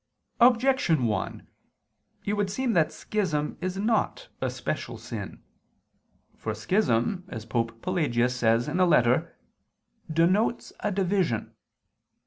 Objection 1: It would seem that schism is not a special sin. For "schism," as Pope Pelagius I says (Epist. ad Victor. et Pancrat.), "denotes a division."